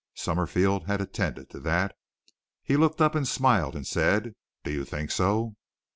Summerfield had attended to that. He looked up and smiled and said, "Do you think so?"